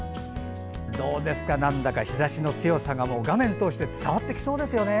どうですか、日ざしの強さが画面通して伝わってきそうですよね。